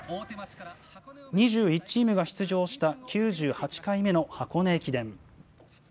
２１チームが出場した９８回目の箱根駅伝。